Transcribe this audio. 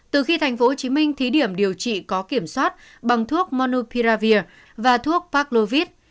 từ khi tp hcm thí điểm điều trị có kiểm soát bằng thuốc monopiravir và thuốc paclovit